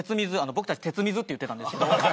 僕たち「鉄水」って言ってたんです。